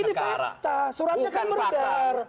ini fakta suratnya kan beredar